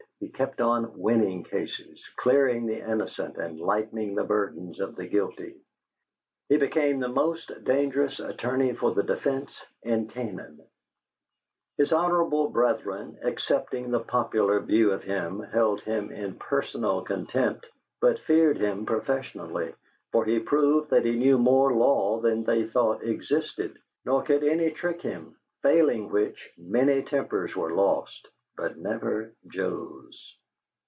He kept on winning cases, clearing the innocent and lightening the burdens of the guilty; he became the most dangerous attorney for the defence in Canaan; his honorable brethren, accepting the popular view of him, held him in personal contempt but feared him professionally; for he proved that he knew more law than they thought existed; nor could any trick him failing which, many tempers were lost, but never Joe's.